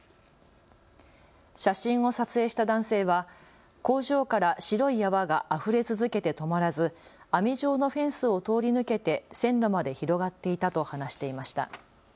写真を撮影した男性は工場から白い泡があふれ続けて止まらず、網状のフェンスを通り抜けて線路まで広がっていたと話していました。